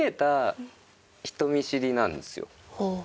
ほう。